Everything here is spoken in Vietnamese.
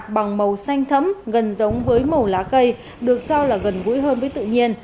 bằng màu xanh thấm gần giống với màu lá cây được cho là gần gũi hơn với tự nhiên